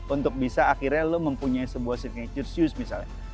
untuk bisa akhirnya lo mempunyai sebuah signature shoes misalnya